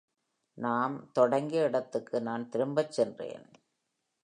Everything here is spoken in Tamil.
நாம் தொடங்கிய இடத்துக்கு நான் திரும்பச் சென்றேன்.